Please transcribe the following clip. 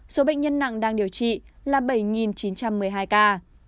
số bệnh nhân nặng đang điều trị là bảy chín trăm một mươi hai ca